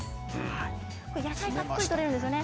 野菜たっぷりとれるんですね。